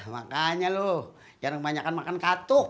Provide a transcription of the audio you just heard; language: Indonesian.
makanya lo jarang banyak makan katuk